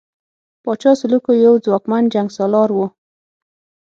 پاچا سلوکو یو ځواکمن جنګسالار وو.